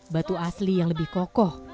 batu asli yang lebih kokoh